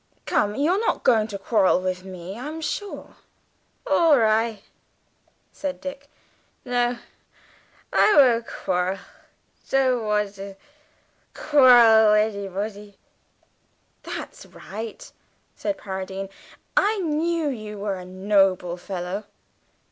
"Come, you're not going to quarrel with me, I'm sure!" "All ri'," said Dick. "No; I won' quarrel. Don' wanter quarrel anybody." "That's right," said Paradine. "I knew you were a noble fellow!"